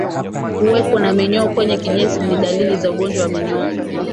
Kuwepo na minyoo kwenye kinyesi ni dalili za ugonjwa wa minyoo